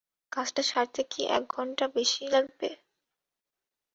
কাজটা সারতে কি এক ঘণ্টার বেশি লাগবে?